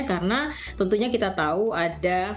karena tentunya kita tahu ada